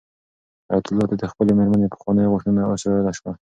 حیات الله ته د خپلې مېرمنې پخوانۍ غوښتنه اوس رایاده شوه.